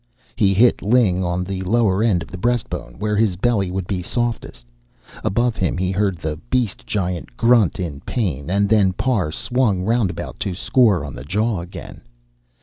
He hit Ling on the lower end of the breastbone, where his belly would be softest. Above him he heard the beast giant grunt in pain, and then Parr swung roundabout to score on the jaw again.